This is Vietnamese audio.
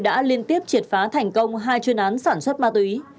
đã liên tiếp triệt phá thành công hai chuyên án sản xuất ma túy